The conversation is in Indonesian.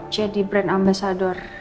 jadi brand ambasador